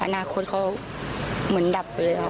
อนาคตเขาเหมือนดับไปเลยค่ะ